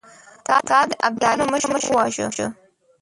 تا د ابداليانو مشر وواژه!